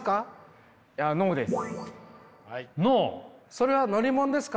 それは乗り物ですか？